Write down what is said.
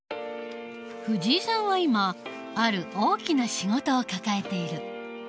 藤井さんは今ある大きな仕事を抱えている。